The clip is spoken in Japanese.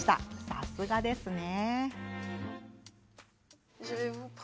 さすがですね。